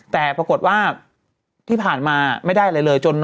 แต่ปรากฏว่าที่ผ่านมาไม่ได้อะไรเลย